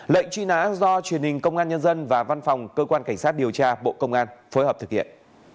lệnh truy nã do truyền hình công an nhân dân và văn phòng cơ quan cảnh sát điều tra bộ công an phối hợp thực hiện